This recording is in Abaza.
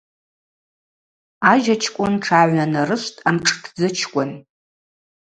Ажьа чкӏвын тшгӏагӏвнанарышвтӏ амшӏтдзычкӏвын.